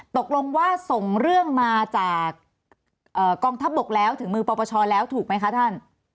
ตกลงว่าส่งเรื่องมาจากกองทัพบกแล้วถึงมือปปชแล้วถูกไหมคะท่าน